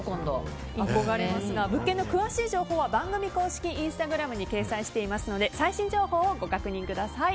物件の詳しい情報は番組公式インスタグラムに掲載していますので、最新情報をご確認ください。